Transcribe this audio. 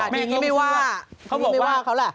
แม่งี้ไม่ว่าเขาบอกว่าแม่งี้ไม่ว่าเขาแหละ